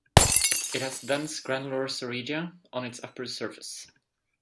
It has dense granular soredia on its upper surface.